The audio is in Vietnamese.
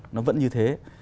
nó vẫn như thế